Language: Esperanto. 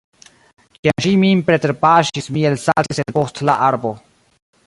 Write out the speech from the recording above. Kiam ŝi min preterpaŝis mi elsaltis el post la arbo.